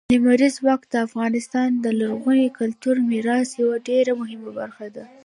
لمریز ځواک د افغانستان د لرغوني کلتوري میراث یوه ډېره مهمه برخه ده.